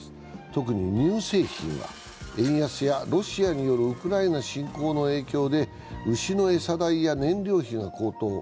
特に乳製品は円安やロシアによるウクライナ侵攻の影響で牛の餌代や燃料費が高騰。